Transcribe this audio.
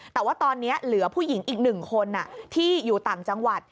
แต่ว่าตอนนี้เหลือผู้หญิงอีก๑คนที่อยู่ต่างจังหวัด